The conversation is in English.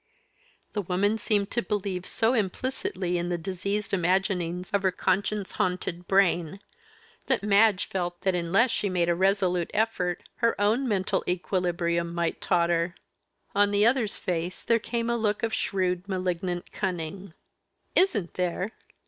The woman seemed to believe so implicitly in the diseased imaginings of her conscience haunted brain, that Madge felt that unless she made a resolute effort her own mental equilibrium might totter. On the other's face there came a look of shrewd, malignant cunning. "Isn't there!